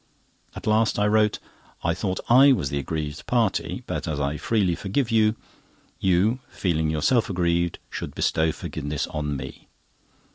At last I wrote: "I thought I was the aggrieved party; but as I freely forgive you, you—feeling yourself aggrieved—should bestow forgiveness on me."